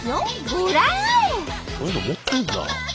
こういうの持ってるんだ。